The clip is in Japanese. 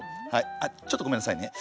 あちょっとごめんなさいね。